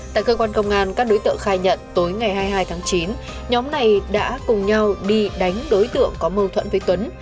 tại cơ quan công an các đối tượng khai nhận tối ngày hai mươi hai tháng chín nhóm này đã cùng nhau đi đánh đối tượng có mâu thuẫn với tuấn